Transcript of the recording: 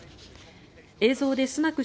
映像でスナク